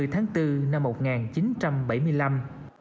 ba mươi tháng bốn năm một nghìn chín trăm bảy mươi năm